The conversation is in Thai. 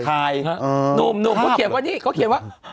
หนุ่มเขาเขียนว่านี่